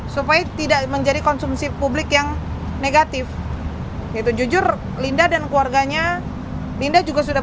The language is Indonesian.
supaya tidak menjadi konsumsi publik yang negatif itu jujur linda dan keluarganya linda juga sudah